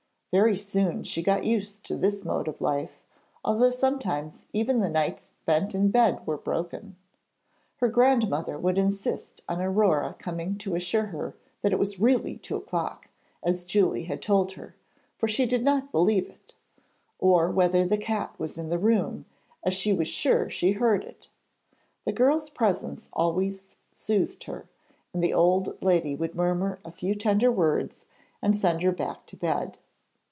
Very soon she got used to this mode of life, although sometimes even the nights spent in bed were broken. Her grandmother would insist on Aurore coming to assure her that it was really two o'clock, as Julie had told her, for she did not believe it; or whether the cat was in the room, as she was sure she heard it. The girl's presence always soothed her, and the old lady would murmur a few tender words and send her back to bed.